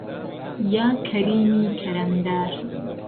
یا کهریمی کهرهمدار